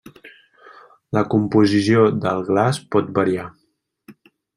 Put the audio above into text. La composició del glaç pot variar.